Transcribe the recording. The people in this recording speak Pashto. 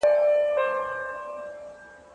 خمیره بې اوبو نه جوړیږي.